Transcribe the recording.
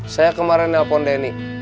saya kemarin telepon denny